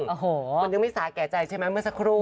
โอ้โหมันยังไม่สาแก่ใจใช่ไหมเมื่อสักครู่